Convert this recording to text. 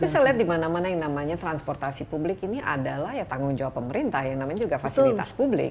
tapi saya lihat dimana mana yang namanya transportasi publik ini adalah ya tanggung jawab pemerintah yang namanya juga fasilitas publik